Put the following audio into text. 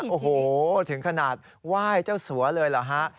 โอ้โหถึงขนาดไหว้เจ้าสัวเลยเหรอฮะ